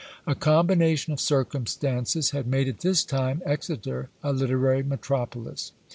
A combination of circumstances had made at this time Exeter a literary metropolis.